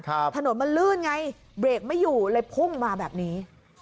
ถนนมันลื่นไงเบรกไม่อยู่เลยพุ่งมาแบบนี้